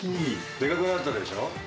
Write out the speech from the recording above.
でかくなったでしょう？